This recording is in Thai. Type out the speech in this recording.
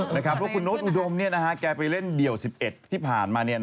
เพราะคุณโน้ตอุดมเนี่ยนะฮะแกไปเล่นเดี่ยว๑๑ที่ผ่านมาเนี่ย